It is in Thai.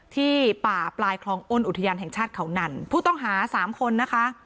ที่ป่าปลายคลองอ้นอุทยานแห่งชาติเขานั่นผู้ต้องหาสามคนนะคะ